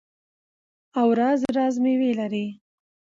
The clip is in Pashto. او راز راز میوې لري.